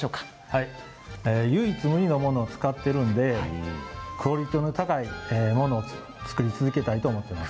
はい、唯一無二のものを使ってるんでクオリティーの高いものを作り続けたいと思ってます。